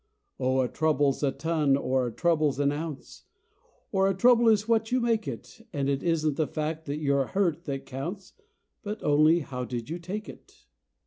Oh, a trouble's a ton, or a trouble's an ounce, Or a trouble is what you make it, And it isn't the fact that you're hurt that counts, But only how did you take it?